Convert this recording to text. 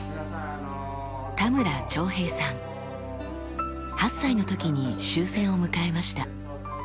８歳の時に終戦を迎えました。